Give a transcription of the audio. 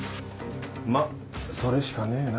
まそれしかねえな。